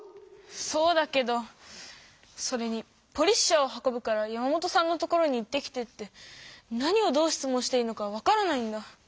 そうだけどそれに「ポリッシャーを運ぶから山本さんの所に行ってきて」って何をどう質問していいのか分からないんだ。